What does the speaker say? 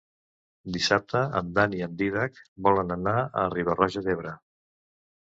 Dissabte en Dan i en Dídac volen anar a Riba-roja d'Ebre.